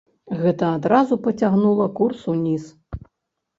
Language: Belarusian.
Гэта адразу пацягнула курс уніз.